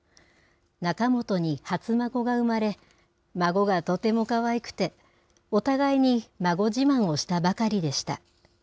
仲本に初孫が生まれ、孫がとてもかわいくて、お互いに孫自慢をしたばかりでした。